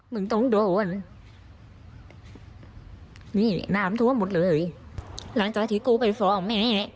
มึงต้องโดนนี่น้ำท่วมหมดเลยหลังจากที่กูไปฟ้องแม่